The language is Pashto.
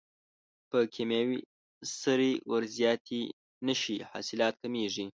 که کیمیاوي سرې ور زیاتې نشي حاصلات کمیږي.